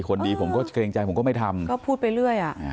คนดีผมก็เกรงใจผมก็ไม่ทำก็พูดไปเรื่อย